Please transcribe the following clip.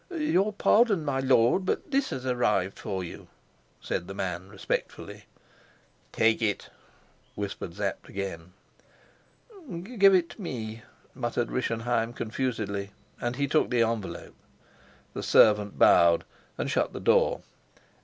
"Your pardon, my lord, but this has arrived for you," said the man respectfully. "Take it," whispered Sapt again. "Give it me," muttered Rischenheim confusedly; and he took the envelope. The servant bowed and shut the door.